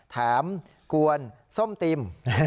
แถมกวนส้มติม